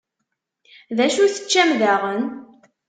D acu teččam daɣen?